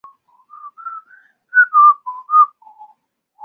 艾奥瓦镇区为美国堪萨斯州多尼芬县辖下的镇区。